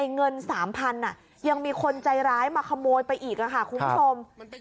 เงิน๓๐๐๐บาทยังมีคนใจร้ายมาขโมยไปอีกคุ้มสม